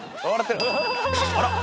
あら！